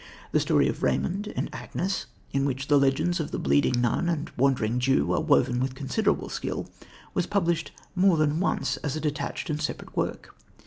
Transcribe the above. The story of Raymond and Agnes, into which the legends of the bleeding nun and Wandering Jew are woven with considerable skill, was published more than once as a detached and separate work.